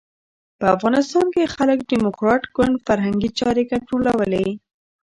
په افغانستان کې خلق ډیموکراټیک ګوند فرهنګي چارې کنټرولولې.